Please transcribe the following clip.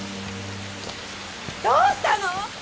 どうしたの？